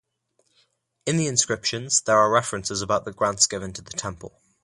In the inscriptions there are references about the grants given to the temple.